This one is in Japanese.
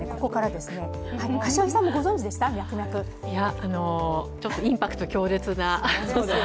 いや、ちょっとインパクト強烈な。